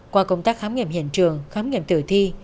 qua công tác khám nghiệm hiện trường khám nghiệm tử thi